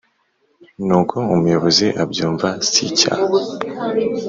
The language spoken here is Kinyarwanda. nuko umuyobozi abyumva sicyaha